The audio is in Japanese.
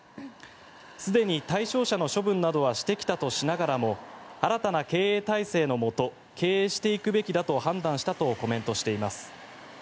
すでに対象者の処分などはしてきたとしながらも新たな経営体制のもと経営していくべきだと判断したとコメントしています。